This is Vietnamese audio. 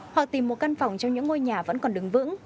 họ tìm một căn phòng trong những ngôi nhà vẫn còn đứng vững